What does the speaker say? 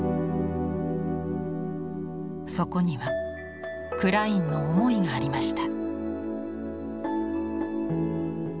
そこにはクラインの思いがありました。